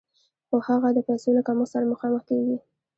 خو هغه د پیسو له کمښت سره مخامخ کېږي